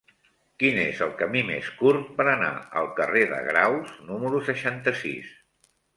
Quin és el camí més curt per anar al carrer de Graus número seixanta-sis?